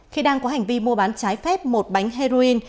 khi đang có hành vi mua bán trái phép một bánh heroin